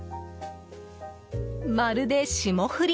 まるで霜降り！